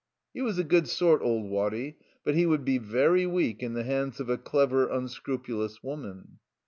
He was a good sort, old Waddy, but he would be very weak in the hands of a clever, unscrupulous woman.